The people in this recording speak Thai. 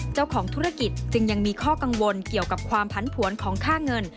เจ้าของธุรกิจจึงยังมีข้อกังวลเกี่ยวกับความผันผวนของค่าเงิน